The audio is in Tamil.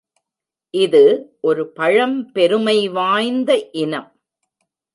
இது ஒரு பழம் பெருமை வாய்ந்த இனம்.